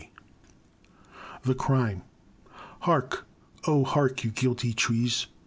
THE CRIME. « Heark ! Oh, heark I you guilty ti^es.